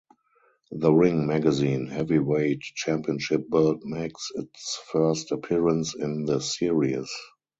The "Ring" magazine heavyweight championship belt makes its first appearance in the series.